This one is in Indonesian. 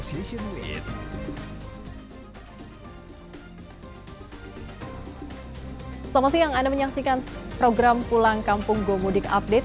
selamat siang anda menyaksikan program pulang kampung gomudik update